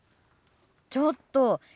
ちょっと！